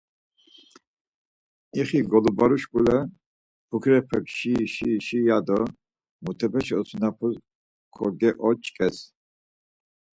İxi golubaru şkule pukurepek şi şi şi ya do mutepeşi osinapus kogeoç̌ǩes: